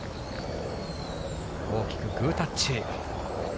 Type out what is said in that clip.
大きくグータッチ。